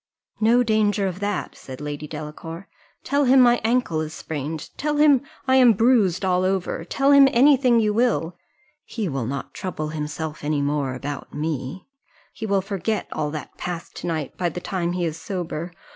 "No danger of that," said Lady Delacour: "tell him my ankle is sprained tell him I am bruised all over tell him any thing you will he will not trouble himself any more about me he will forget all that passed to night by the time he is sober.